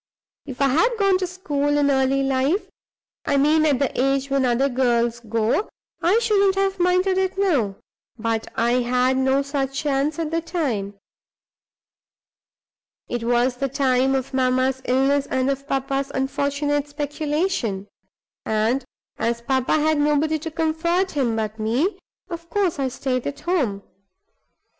"If I had gone to school in early life I mean at the age when other girls go I shouldn't have minded it now. But I had no such chance at the time. It was the time of mamma's illness and of papa's unfortunate speculation; and as papa had nobody to comfort him but me, of course I stayed at home.